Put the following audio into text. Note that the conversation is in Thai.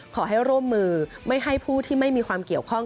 ขอให้ร่วมมือไม่ให้ผู้ที่ไม่มีความเกี่ยวข้อง